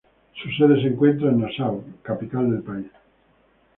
Su sede se encuentra en Nassau, la capital del país.